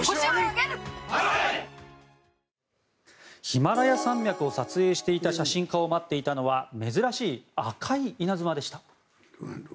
ヒマラヤ山脈を撮影していた写真家を待っていたのは珍しい赤い稲妻でした。